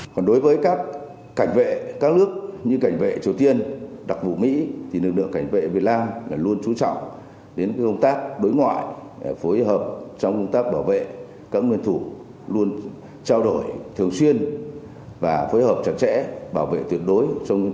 còn đối với các cảnh vệ các nước như cảnh vệ triều tiên đặc vụ mỹ thì lực lượng cảnh vệ việt nam luôn trú trọng đến công tác đối ngoại phối hợp trong công tác bảo vệ các nguyên thủ luôn trao đổi